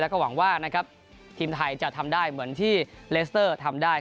แล้วก็หวังว่านะครับทีมไทยจะทำได้เหมือนที่เลสเตอร์ทำได้